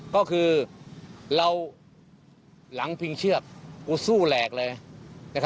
ก็คือเราหลังพิงเชือกกูสู้แหลกเลย